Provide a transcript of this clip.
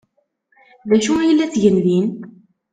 D acu ay la ttgen din?